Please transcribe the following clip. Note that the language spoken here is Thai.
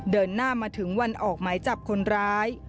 เดินหน้ามาถึงวันออกหมายจับคนร้าย